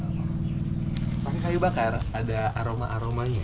pakai kayu bakar ada aroma aromanya